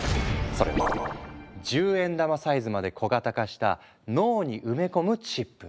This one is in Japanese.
それは１０円玉サイズまで小型化した脳に埋め込むチップ。